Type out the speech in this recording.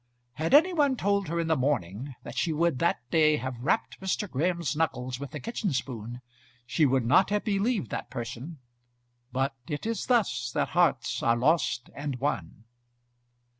Had any one told her in the morning that she would that day have rapped Mr. Graham's knuckles with a kitchen spoon, she would not have believed that person; but it is thus that hearts are lost and won.